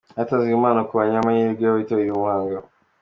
Hatanzwe impano ku banyamahirwe bitabiriye uwo muhango.